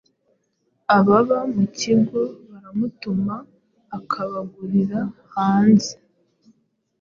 ababa mu kigo baramutuma akabagurira hanze.